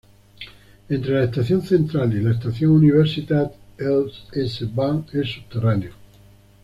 Entre la Estación Central y la estación Universität el S-bahn es subterráneo.